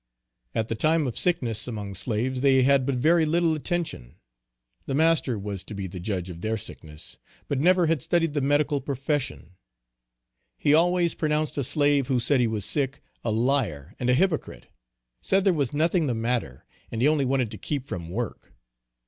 At the time of sickness among slaves they had but very little attention. The master was to be the judge of their sickness, but never had studied the medical profession. He always pronounced a slave who said he was sick, a liar and a hypocrite; said there was nothing the matter, and he only wanted to keep from work.